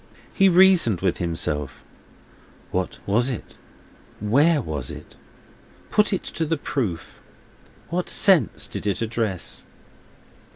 He reasoned with himself: What was it? Where was it? Put it to the proof. Which sense did it address?